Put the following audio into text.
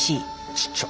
ちっちゃ。